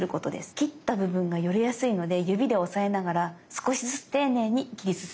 切った部分がよれやすいので指で押さえながら少しずつ丁寧に切り進めて下さい。